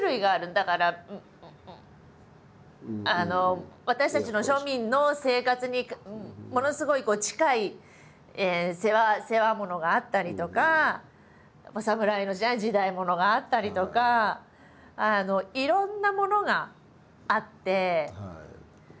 だから私たちの庶民の生活にものすごい近い世話物があったりとかお侍の時代時代物があったりとかいろんなものがあって。